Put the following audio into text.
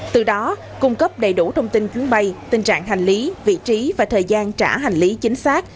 từ đó cung cấp đầy đủ thông tin chuyến bay tình trạng hành lý vị trí và thời gian trả hành lý chính xác